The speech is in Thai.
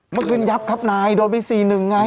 เมื่อคืนยับครับนายโดนไปสี่หนึ่งไง